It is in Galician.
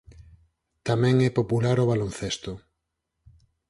Tamén é popular o baloncesto.